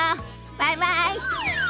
バイバイ！